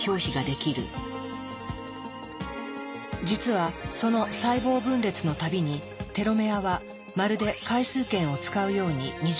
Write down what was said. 実はその細胞分裂のたびにテロメアはまるで回数券を使うように短くなっていく。